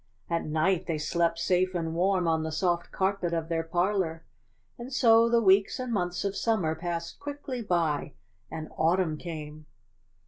At night they slept safe and warm on the soft carpet of their parlor. And so the weeks and months of summer passed quickly by and au tumn came.